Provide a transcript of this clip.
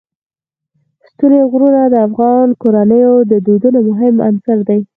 ستوني غرونه د افغان کورنیو د دودونو مهم عنصر دی.